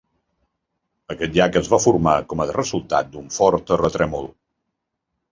Aquest llac es va formar com a resultat d'un fort terratrèmol.